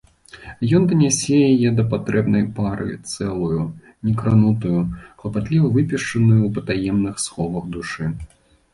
Ён данясе яе да патрэбнай пары цэлую, некранутую, клапатліва выпешчаную ў патаемных сховах душы.